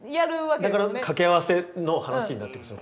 だから掛け合わせの話になってくるんですよ。